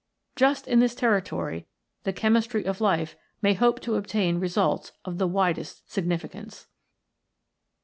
Just in this territory the chemistry of Life may hope to obtain results of the widest significance.